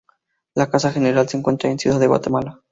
La casa general se encuentra en Ciudad de Guatemala.